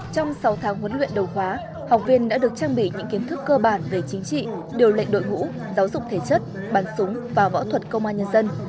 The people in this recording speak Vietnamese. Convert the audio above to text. trong sáu tháng huấn luyện đầu khóa học viên đã được trang bị những kiến thức cơ bản về chính trị điều lệnh đội ngũ giáo dục thể chất bắn súng và võ thuật công an nhân dân